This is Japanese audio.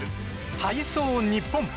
体操ニッポン。